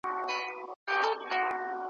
دزمريو آوازونه `